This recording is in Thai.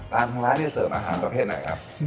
ทางร้านเนี่ยเสิร์ฟอาหารประเภทไหนครับ